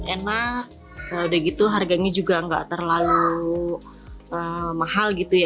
enak udah gitu harganya juga nggak terlalu mahal gitu ya